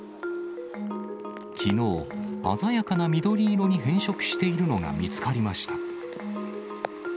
きのう、鮮やかな緑色に変色しているのが見つかりました。